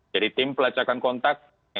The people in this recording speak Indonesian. jadi tim pelacakan kontaknya kita harus mempersiapkan